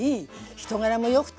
人柄も良くてね